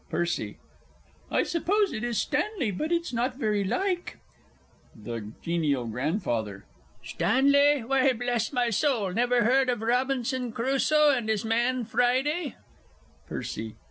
PERCY. I suppose it is Stanley but it's not very like. THE G. G. Stanley! Why, bless my soul, never heard of Robinson Crusoe and his man Friday? PERCY.